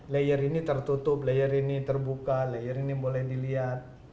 layer ini tertutup layer ini terbuka layer ini boleh dilihat